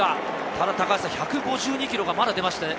ただ１５２キロがまだ出ますね。